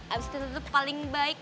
absent tante tuh paling baik